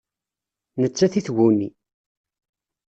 Nettat i tguni.